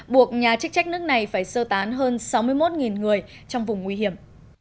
buộc nhà chức trách nước này phải sơ tán hơn sáu mươi một người trong vùng nguy hiểm